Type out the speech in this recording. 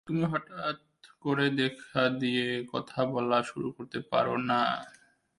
তুমি হঠাৎ করে দেখা দিয়ে কথা বলা শুরু করতে পারো না।